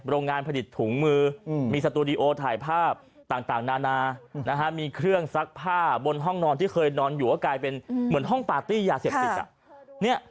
โรงงานผลิตถุงมือมีสตูดิโอถ่ายภาพต่างนานามีเครื่องซักผ้าบนห้องนอนที่เคยนอนอยู่ก็กลายเป็นเหมือนห้องปาร์ตี้ยาเสพติด